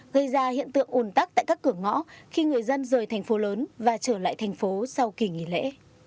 gây ra hiện tượng ồn tắc tại các cửa ngõ khi người dân rời thành phố lớn và trở lại thành phố sau kỳ nghỉ lễ